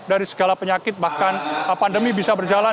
dari segala penyakit bahkan pandemi bisa berjalan